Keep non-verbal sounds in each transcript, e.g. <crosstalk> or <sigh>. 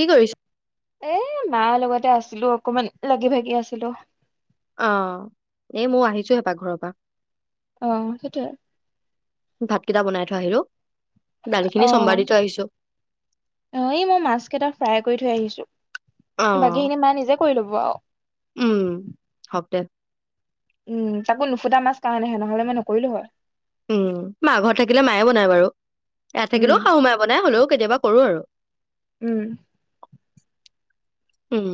কি কৰিছ? এ, মাৰ লগতে আছিলোঁ অকমান, লাগি ভাগি আছিলোঁ। অ', এই মই আহিছোঁহে পাকঘৰৰ পৰা। অ', সেইটোয়ে। ভাতকেইটা বনাই থৈ আহিলোঁ, অ দালিখিনি চম্ভাৰ দি থৈ আহিছোঁ। অ', এই মই মাছকেইটা ফ্ৰাই কৰি থৈ আহিছোঁ, অ', বাকীখিনি মা নিজে কৰি ল'ব আৰু। উম, হওক দে। উম, তাকো নুফুটা মাছ কাৰণেহে, নহ'লে মই নকৰিলোঁ হয়। উম, মা ঘৰত থাকিলে মায়ে বনাই বাৰু, ইয়াত থাকিলেও উম শাহু মায়ে বনাই হ'লেও কেতিয়াবা কৰোঁ আৰু। উম। উম,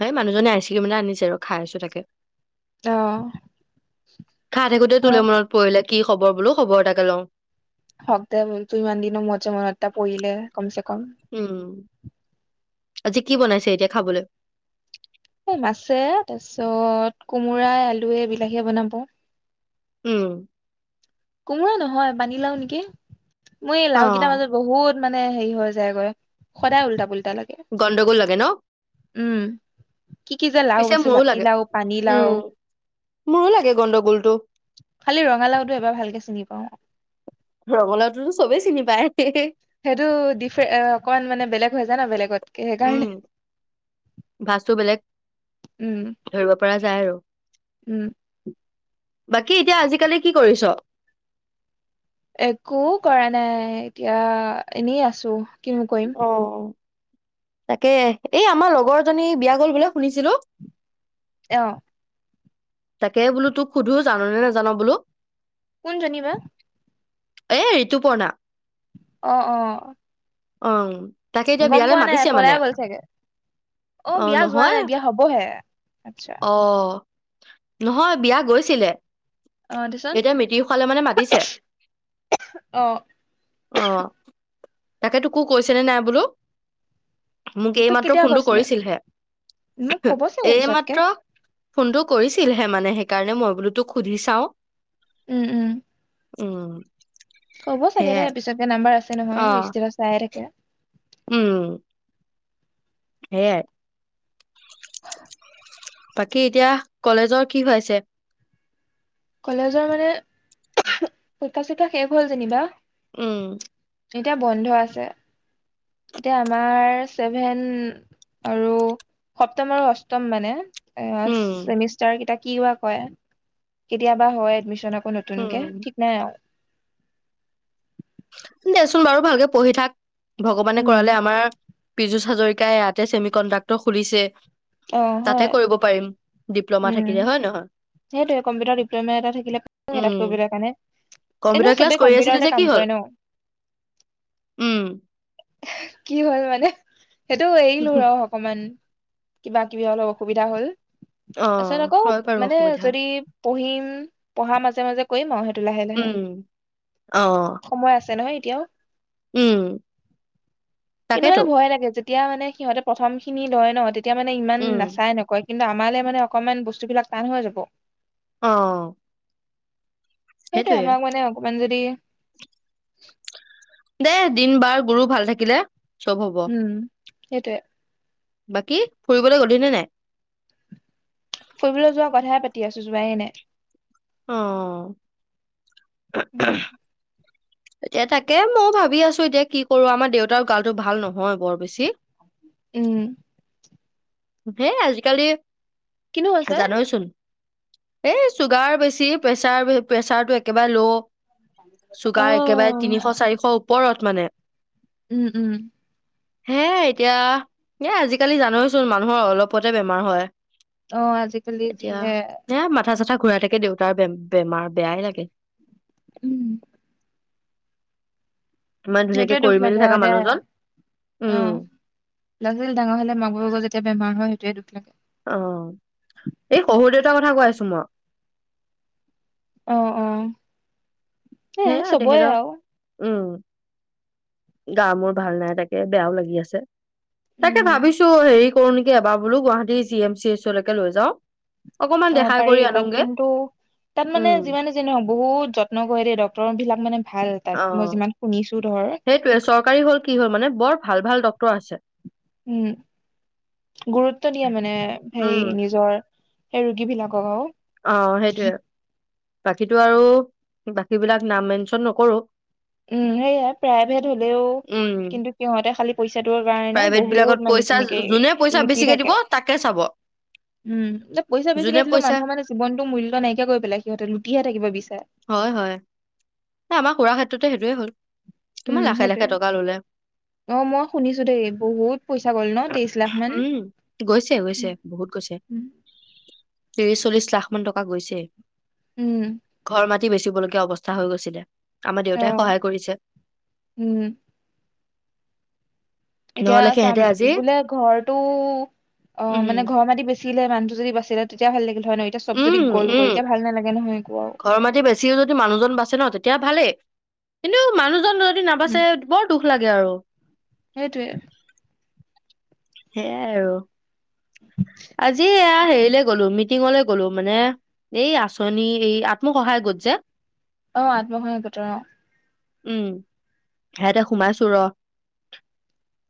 সেই মানুহজনে আইচ ক্ৰীম এটা আনিছে ৰ, খাই আছোঁ তাকে। অ খাই থাকোঁতে তোলে মনত পৰিলে, কি খবৰ বোলো, খবৰ এটাকে লওঁ। হওক দে, মোক যে ইমান দিনৰ মুৰত যে মনত এটা পৰিলে কমচেকম। উম, আজি কি বনাইছে এতিয়া খাবলৈ? এই মাছে তাৰপিছত কোমোৰা, আলুয়ে, বিলাহীয়ে বনাব। উম। কোমোৰা নহয় পানী লাও নেকি, মই এই লাও কেইটাৰ অ', মাজত বহুত মানে হেৰি হৈ যায়গৈ। সদায় উল্টা পোল্টা লাগে। গণ্ডগোল লাগে ন'? উম। কি কি যে লাও পিছে আছে মোৰো লাগে। জাতিলাও পানীলাও উম, মোৰো লাগে গণ্ডগোলটো। খালি ৰঙালাউটো এবাৰ ভালকে চিনি পাওঁ আৰু। ৰঙালাউটোতো চবেই চিনি পায়। সেইটো ডিফ অকমান মানে বেলেগ হৈ যায় ন' বেলেগতকে সেইকাৰণে। ভাজটো বেলেগ, উম ধৰিব পৰা যায় আৰু। উম। বাকী এতিয়া আজিকালি কি কৰিছ? একো কৰা নাই, এতিয়া এনেই আছো। কিনো কৰিম অ, তাকে এই আমাৰ লগৰ জনী বিয়া গ'ল বোলে শুনিছিলো। অ'। তাকে বোলো, তোক সোধো জাননে, নেজান বোলো। কোন জনিবা এই ঋতুপৰ্ণা। অ', অ'। অ, তাকে এতিয়া গম বিয়ালৈ পোৱা নাই মাতিছে মানে। পলাই গ'ল চাগে অ অহ, বিয়া যোৱা নহয়, নাই বিয়া হবহে আচ্ছা অহ। নহয়, বিয়া গৈছিলে। অ দেচোন এতিয়া মিতিৰ খোৱালে মানে মাতিছে। অ অ, তাকে তোকোকো কৈছে নে, নাই বোলো। মোক তোক এইমাত্ৰ কেতিয়া ফোনটো কৈছিলে মোক কৰিছিলহে কব চাগে পিছতকে এইমাত্ৰ। ফোনটো কৰিছিলহে মানে সেইকাৰণে মই বোলো তোক সুধি চাও। উম, উম। উম। ক'ব চাগে দে সেয়াই পিছতকে নাম্বাৰ আছে অ নহয়। ইষ্টেটাছ চাইয়ে থাকে। উম। সেয়াই। বাকী এতিয়া কলেজৰ কি হৈছে। কলেজৰ মানে পৰিক্ষা চাৰিক্ষা, শেষ হ'ল যেনিবা। উম। এতিয়া বন্ধ আছে। এতিয়া আমাৰ চছেভেন আৰু সপ্তম আৰু অষ্টম মানে। অ, উম, চেমিষ্টাৰ কেইটা, কি, বা কয় কেতিয়াবা হয়, এডমিচন আকৌ নত উম। নতুনকে ঠিক নাই আও দেচোন বাৰু ভালকে পঢ়ি থাক ভগৱানে উম কৰালে আমাৰ পীজু হাজৰিকাই ইয়াতে চছেমি কণ্ডাক্টৰ খুলিছে, অ তাতে হয় কৰিব পাৰিম। ডিপ্ল'মা উম থাকিলে হয়, নহয়। সেইটোৱে কম্পিউাৰত ডিপ্লমা এটা থাকিলে এটা <unintelligible> উম, কৰিবলৈ কাৰণে। কম্পিউটাৰ এনেও ক্লাছ চবে কৰি আছিলি কম্পিউটাৰতে যে কি কাম হ'ল? কৰে ন। উম, কি হ'ল মানে সেইটো এৰিলো ৰ। অকমান কিবা, কিবি অলপ অসুবিধা হ'ল। অ, তাৰপিছত আকৌ হয়, বাৰু মানে অসুবিধা। যদি পঢ়িম, পঢ়া, মাজে, মাজে কৰিম আৰু সেইটো লাহে, লাহে। উম, অ', সময় আছে নহয় এতিয়াও উম, কিন্তু তাকেতো। মানে ভয় লাগে যে তিয়া মানে সিহঁতে প্ৰথম খিনি লয়, ন, তেতিয়া মানে ইমান উম, নাচাই নকয়। কিন্তু আমালে মানে অকমান বস্তুবিলাক টান হৈ যাব। অ'। সেইটো সেইটোয়ে। আমাক মানে অকমান যদি দেই দিন বাৰ গুৰু ভাল থাকিলে সব হ'ব। উম, সেইটোৱে। বাকী ফুৰিবলৈ গলিনি নে নাই। ফুৰিবলৈ যোৱা কথাই পাতি আছো যোৱায়েই নাই। অ, উম এতিয়া তাকে ময়ও ভাবি আছো, এতিয়া কি কৰো। আমাৰ দেউতাৰ গালটো ভাল নহয় বৰ বেছি। উম, হেই, আজিকালি কিনো হৈছে জানইচোন। এই চুগাৰ বেছি, প্ৰেছাৰ-প্ৰেছাৰটো একেবাৰে ল, অ চুগাৰ একেবাৰে, তিনিশ চাৰিশ ওপৰত মানে। উম, উম, হে এতিয়া এ, আজিকালি জানোচোন মানুহৰ অলপতে বেমাৰ হয়। অ, আজিকালি এতিয়া যিহে এ, মাথা-চাথা ঘূৰাই থাকে দেউতাৰে বে-বেমাৰ বেয়াই লাগে। উম, ইমান ধুনীয়াকে সেইটোৱে কৰি দুখ মেলি লাগে থকা অ, দে। মানুহজন উম অহ, ল'ৰা-ছোৱালী ডাঙৰ হ'লে, মাক-বাপেকৰ যেতিয়া বেমাৰ হয়, সেইৱে দুখ লাগে। অ, এই শহুৰ দেউতাৰ কথা কৈ আছো মই। অ, অ, এ হে, চবৰে তেখেতৰ আৰু উম, গা-মোৰ ভাল নাই, তাকে বেয়াও লাগি আছে। তাকে উম ভাবিছো হেৰি কৰো নেকি, এবাৰ বোলো গুৱাহাটীৰ জি, এম, চি, এচ, লকে লৈ যাওঁ। অ, পাৰি তাত কিন্তু, তাত মানে উম যিমান নহ বহুত যত্ন কৰে দেই, ডক্তৰ বিলাক মানে ভাল অ তাত মই যিমান শুনিছো ধৰ। চৰকাৰী হ'ল কি হ'ল, মানে বৰ ভাল-ভাল ডক্তৰ আছে। উম, গুৰুত্ব দিয়ে মানে, হেই উম নিজৰ সেই ৰোগী বিলাকক আৰু। অ, সেইটোয়ে বাকীটো আৰু বাকী বিলাক নাম মেনচন নকৰো। উম, সেয়াই প্ৰাইভেট হ'লেও, উম কিন্তু সিহঁতে খালি পইচাটোৰ কাৰণে প্ৰাইভেট বহুত বিলাকত মানে পইচা তেনেকে যোনে, পইচা লুটি বেছিকে থাকে দিব তাকে চাব। উম, এ, পইচা যোনে বেচিকে দিলেও পইচা মানুহৰ মানে জীৱনটো মূল্য নাইকিয়া কৰি পেলাই, সিহঁতে লুটিহে থাকিব বিচাৰে। হয়, হয়। আমাৰ খুৰা ক্ষেত্ৰতো সেইটোৱে হ'ল। উম, কিমান লাখে সেইটোৱে লাখে টকা ললে অ, মই শুনিছো দেই বহুত পইচা গ'ল ন, তেইশ লাখ মান? উম গৈছে, উম গৈছে, বহুত গৈছে, ত্ৰিশ চল্লিশ লাখ মান টকা গৈছে। উম ঘৰ মাটি বেচিব লগীয়া অৱস্থা হৈ গৈছিলে, আমাৰ অ দেউতাই সহায় কৰিছে। উম, এতিয়া নহ'লে চাম, সিহঁতে আজি বোলে ঘৰটো অ, উম, মানে ঘৰ মাটি বেছি। বাচছিলে মানুহটো যদি বাচছিলে, তেতিয়া ভাল লাগিল হয়, নহ এতিয়া চব যদি গল হৈ এতিয়া ভাল নালাগে নহয় একো আৰু। ঘৰ মাটি বেছিও যদি মানুহজন বাচে ন, তেতিয়া ভালেই, কিন্তু মানুহজন যদি নাবাচে। বৰ দুখ লাগে আৰু। সেইটোৱে। সেয়াই আৰু। <inaudible> আজি এয়া হেৰিলে গ'লো, মিটিঙলে গলো মানে এই আঁচনি, এই আত্মসহায় গোট যে। অ, আত্মসহায়ক গোতৰ অ, উম, সেয়াতে সোমাইছো ৰহ।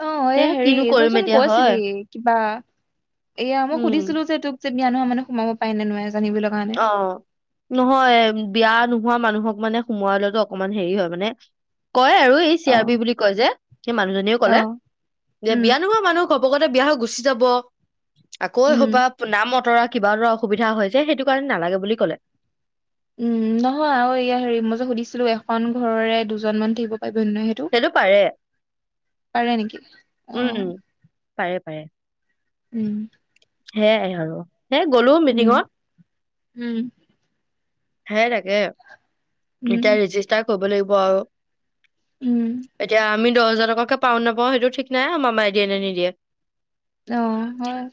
অ এ হেৰি তইচোন হয় কৈছিলি কিবা এয়া মই উম, সুধিছিলো যে তোক যে বিয়া নোহোৱা মানুহ সোমাব পাৰে নে নোৱাৰে জানিবলৈ কাৰণে অঁ নহয় বিয়া নোহোৱা মানুহক মানে সোমোৱা লোৱাটো অকমান হেৰি হয় মানে কয় আৰু এই চি অ আৰ বি বুলি কয় যে সেই মানুহজনীয়ে অ কলে যে উম বিয়া নোহোৱা মানুহ ঘপকতে বিয়া হৈ গুচি যাব আকৌ এই হোপা উম নাম অতৰা কিবা অতৰা অসুবিধা হয় যে সেইটো কাৰণে নালাগে বুলি ক'লে। উম নহয় আৰু ইয়া হেৰি মই যে সুধিছিলো এখন ঘৰৰে দুজন মানুহ থাকিব পাৰিবনে নাই সেই সেইটো পাৰে। পাৰে নেকি? অ উম উম, পাৰে পাৰে। উম। সেয়াই আৰু সেই গ'লো উম মিটিঙত। উম সেই তাকে এতিয়া উম ৰেজিষ্টাৰ কৰিব লাগিব আৰু উম এতিয়া আমি দহ হাজাৰ টকাকে পাওঁ নে নাপাওঁ সেইটো ঠিক নাই আৰু মামায়ে দিয়ে নে নিদিয়ে। অ হয়।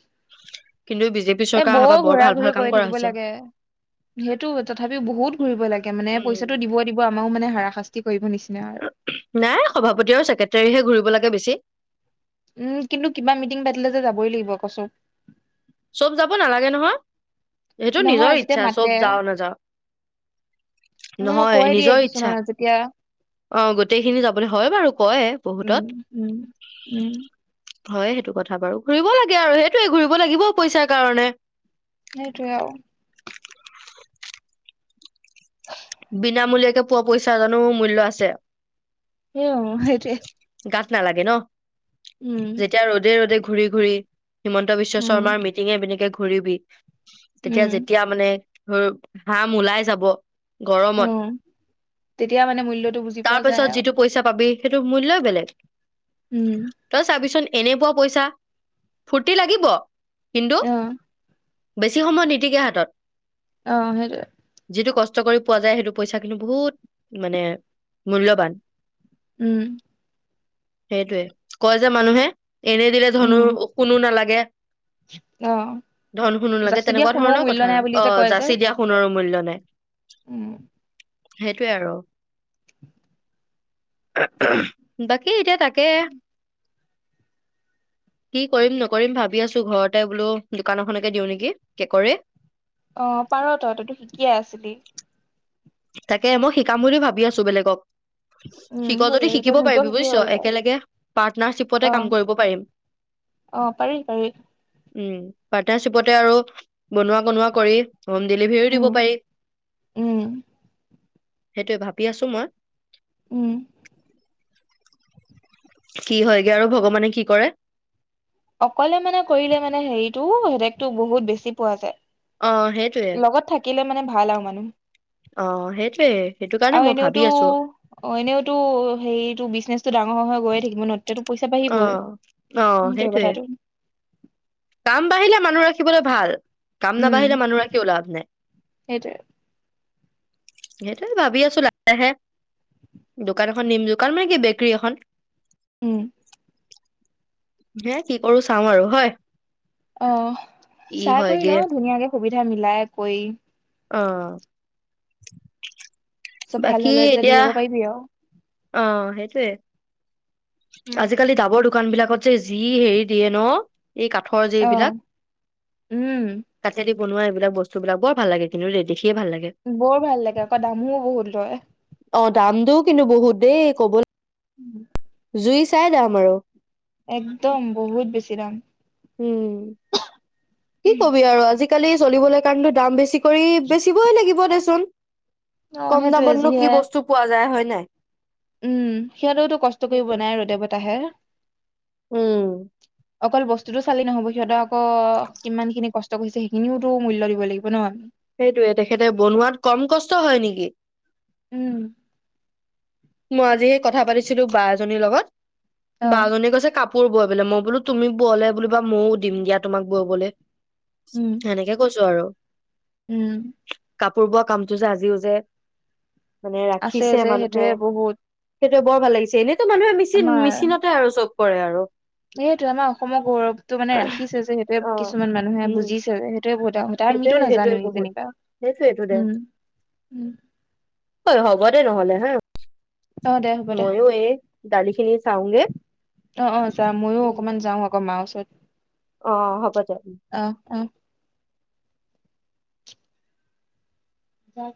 কিন্তু এই বিজেপি এ চৰকাৰ অহাৰ পৰা বৰ ঘূৰা ভাল ভাল ঘূৰি কাম কৰি কৰা থাকিব হৈছে লাগে। সেইটো তথাপিও বহুত ঘূৰিব লাগে মানে পইচাটো উম দিব দিব আমাকো মানে হাৰাশাস্তি কৰিব নিচিনা আৰু নাই সভাপতি আৰু চেক্ৰেটৰীহে ঘূৰিব লাগে বেছি। উম কিন্তু কিবা মিটিং পাতিলে যে যাবই লাগিব কৈছো। চব যাব নালাগে নহয় সেইটো নহয় নিজৰ যেতিয়া ইচ্ছা মাতে চব যাও নাযাও। নহয় কৈ দিয়ে নিজৰ ইচ্ছা কিছুমানত যেতিয়া অ গোটেই খিনি যাবলৈ হয় বাৰু কয় উম বহুতত উম উম হয় সেইটো কথা বাৰু ঘুৰিব লাগে আৰু সেইটোয়ে ঘূৰিব লাগিব পইচাৰ কাৰণে সেইটোৱে আৰু <inaudible> বিনামূলীয়াকে পোৱা পইচা জানো মূল্য আছে সেও সেইটোয়ে। গাত নালাগে ন উম এতিয়া ৰ'দে ৰ'দে ঘূৰি ঘূৰি হিমন্ত বিশ্ব উম শৰ্মাৰ মিটিঙে মিটিঙে ঘূৰিবি তেতিয়া উম যেতিয়া মানে ধৰ ঘাম ওলাই যাব অ গৰমত তেতিয়া মানে মূল্যটো বুজি পোৱা যায় তাৰপিছত আৰু যিটো পইচা পাবি সেইটো মূল্যয়ই বেলেগ উম তই চাবিচোন এনে পোৱা পইচা ফূৰ্তি লাগিব কিন্তু অ বেছি সময় নিটিকে হাতত অ সেইটোয়ে। যিটো কষ্ট কৰি পোৱা যায় সেইটো পইচা কিন্তু বহুত মানে মূল্যবান। উম সেইটোৱে কয় যে মানুহে এনে দিলে ধনু উম সোনো নালাগে। অ ধন সোণ নালাগে যাচি দিয়া তেনেকুৱা শুনো ধৰণৰ মূল্য কথা নাই আৰু বুলি যে অ কয় যে যাচি দিয়া সোণৰো মূল্য নাই। উম সেইটোৱে আৰু বাকী এতিয়া তাকে কি কৰিম নকৰিম ভাবি আছো ঘৰতে বোলো দোকান এখনকে দিওঁ নেকি কেকৰে। অ পাৰ ত‌ই তো ত শিকিয়ে আছিলি। তাকে মই শিকাম বুলি ভাবি আছো বেলেগক। উম শিক যদি সেইটোৱে এতিয়া শিকিব নিজেও পাৰিবি শিকি বুজিছ হ'ল তই একেলগে পাৰ্টনাৰশ্বিপতে অ কাম কৰিব পাৰিম। অ পাৰি পাৰি। উম পাৰ্টনাৰশ্বিপতে আৰু বনোৱা কনোৱা কৰি হোম ডেলিভাৰীও উম দিব পাৰি। উম। সেইটোৱে ভাবি আছো মই। উম। কি হয়গে আৰু ভগৱানে কি কৰে। অকলে মানে কৰিলে মানে হেৰিটো হেতেকটো বহুত বেছি পোৱা যায়। অ সেইট লগত থাকিলে মানে ভাল আৰু মানুহ। অ সেইটোয়ে সেইটো কাৰণে আৰু মই ভাবি এনেওতো আছো এনেওতো হেৰিতটো বিজনেচ টো ডাঙৰ হৈ হৈ গৈয়ে থাকিব ন তেতিয়াটো পইচা অ বাঢ়িবই অ সেইটো সেইটোয়ে কথাটো। কাম বাঢ়িলে মানুহ ৰাখিবলৈ ভাল, কাম উম নাবাঢ়িলে মানুহ ৰাখিও লাভ নাই। সেইটোৱে। সেইটোৱে ভাবি আছো লাহে লাহে দোকান এখন নিম দোকান মানে কি বেকৰী এখন। উম। হে কি কৰো চাওঁ আৰু হয়। অ কি চাই কৰি হয়গে ল ধুনীয়াকে সুবিধা মিলাই কৈ অ। সব ভাল বাকী হলে এটা দিব এতিয়া পাৰিবি আও। অ সেইটোৱে। উম আজিকালি ডাবৰ দোকানবিলাকত যে যি হেৰি দিয়ে ন এই কাঠৰ যে অ এইবিলাক উম কাঠেদি বনোৱা এইবিলাক বস্তুবিলাক বৰ ভাল লাগে কিন্তু দেখিয়ে ভাল লাগে। বৰ ভাল লাগে, আকৌ দামো বহুত লয়। অ দামটো কিন্তু বহুত দেই ক'বল <unintelligible> জুই চাই দাম আৰু। একদম বহুত বেছি দাম। হুম। কি কবি আৰু আজিকালি চলিবলৈ কাৰণো দাম বেছি কৰি বেচিবই লাগিব দেচোন। অ কম সেইটোৱে দামতনো যিহে কি বস্তু পোৱা যায় হয় নাই। উম সিহঁতেওতো কষ্ট কৰিব সেইটোৱে। বনাই ৰ বতাহে। উম। অকল বস্তুতটো চালি নহব সিহঁতে আক কিমানখিনি কষ্ট কৰিছে সেইখিনিওতো মূল্য দিব লাগিব ন আমি। সেইটোয়ে তেখেতে বনোৱাত কম কষ্ট হয় নেকি। উম। মই আজি সেইটোৱে সেই কথা পাতিছিলো বা এজনীৰ লগত, অ বা জনী কৈছে কাপ পোৰ বয় বোলে মই বোলো তুমি বলে বুলোবা ময়ো দিম দিয়া তোমাক ববলে। উম সেনেকে কৈছো আৰু। উম। কাপোৰ বোৱা কামটো যে আজিও যে মানে আছে ৰাখিছে যে মানুহে। সেইটোয়ে বহুত সেইটোৱে বৰ ভাল লাগিছে। এনেইতো মানুহে মেচিন আমাৰ মেচিনতে আৰু চব কৰে আৰু। সেইটোৱে আমাৰ অসমৰ গৌৰৱটো মানে ৰাখিছে যে সেইটোয়ে অ কিছুমান মানুহে উম বুজিছে যে সেইটোয়ে বহুত ডাঙৰ। তা সেইটোৱে আমিতো সেইটোৱে নাজানো বহুত তেনেকা সেইটোৱেইটো উম। অই হ'ব দে নহ'লে হা। অ দে হ'ব দে ময়ো এই দালিখিনি চাওঁগে। অ', অ', চা ময়ো অকমান যাওঁ অকন মাৰ ওচৰত। অ', হ'ব দে। অ', অ'। জাগে।